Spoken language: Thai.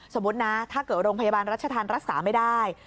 สมมุตินะถ้าเกิดโรงพยาบาลรัชธรรมรักษาไม่ได้